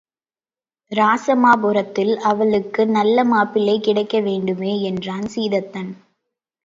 இராசமாபுரத்தில் அவளுக்கு நல்ல மாப்பிள்ளை கிடைக்க வேண்டுமே என்றான் சீதத்தன்.